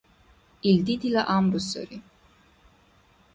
«Илди дила гӏямру сари…»